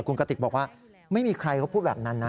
คุณกติกบอกว่าไม่มีใครเขาพูดแบบนั้นนะ